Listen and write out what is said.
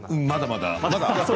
まだまだ。